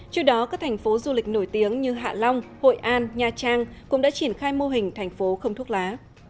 trước đó các thành phố du lịch nổi tiếng như hạ long hội an nha trang cũng đã triển khai mô hình thành phố không thuốc lá